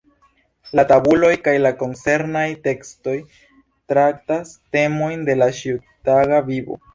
La tabuloj kaj la koncernaj tekstoj traktas temojn de la ĉiutaga vivo.